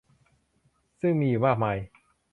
ซึ่งมีอยู่มากมาย